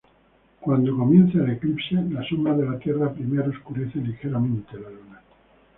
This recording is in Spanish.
Cuando comienza el eclipse, la sombra de la Tierra primero oscurece ligeramente la Luna.